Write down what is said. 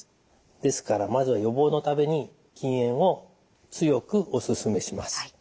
ですからまず予防のために禁煙を強くお勧めします。